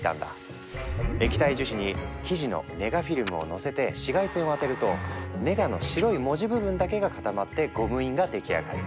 液体樹脂に記事のネガフィルムを載せて紫外線を当てるとネガの白い文字部分だけが固まってゴム印が出来上がる。